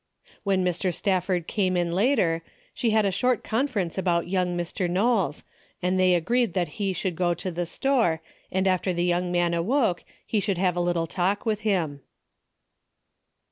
A DAILY BATE. 197 When Mr. Stafford came in later, she had a short conference about young Mr. Knowles, and they agreed that he should go to the store, and after the young man awoke he should have a little talk with him.